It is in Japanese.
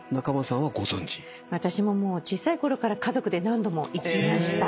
私ももう小さい頃から家族で何度も行きました。